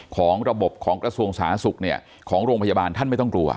ของระบบของกระทรวงสาธารณสุขเนี่ยของโรงพยาบาลท่านไม่ต้องกลัว